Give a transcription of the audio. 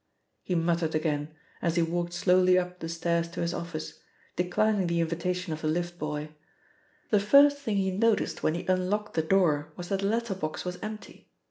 he muttered again, as he walked slowly up the stairs to his office, declining the invitation of the lift boy. The first thing he noticed when he unlocked the door was that the letter box was empty.